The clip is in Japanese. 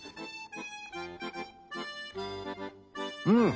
うん！